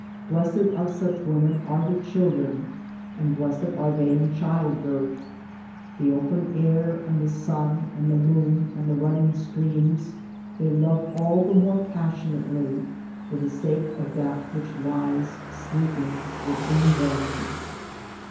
Blessed of such women are the children : and blessed are they in childbirth. The open air and the sun and the moon and the running streams they love all the more passionately for the sake of that which lies sleeping within them.